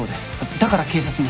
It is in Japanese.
だから警察に。